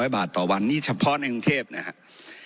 ๓๐๐บาทต่อวันนี้เฉพาะแห่งกันเทพฯนะครับ